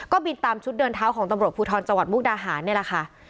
ก็บินตามชุดเดินเท้าของตำรวจภูทรจังหวัดมุกดาหารนี่แหละค่ะ